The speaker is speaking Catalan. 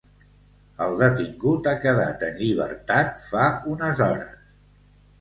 El detingut ha quedat en llibertat fa unes hores.